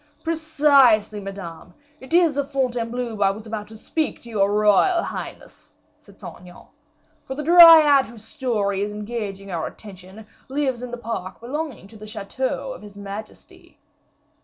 "Precisely, Madame, it is of Fontainebleau I was about to speak to your royal highness," said Saint Aignan; "for the Dryad whose story is engaging our attention, lives in the park belonging to the chateau of his majesty."